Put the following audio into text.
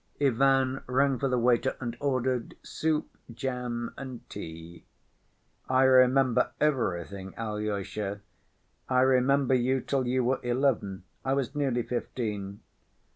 Ivan rang for the waiter and ordered soup, jam and tea. "I remember everything, Alyosha, I remember you till you were eleven, I was nearly fifteen.